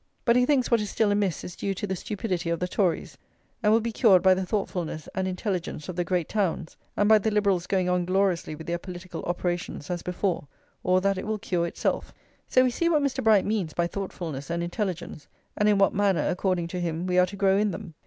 But he thinks what is still amiss is due to the stupidity of the Tories, and will be cured by the thoughtfulness and intelligence of the great towns, and by the Liberals going on gloriously with their political operations as before; or that it will cure itself. So we see what Mr. Bright means by thoughtfulness and intelligence, and in what manner, according to him, we are to grow in them.